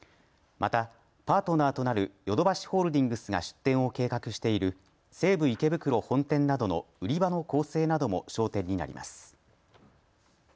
また、パートナーとなるヨドバシホールディングスが出店を計画している西武池袋本店などの売り場の構成なども焦点になります。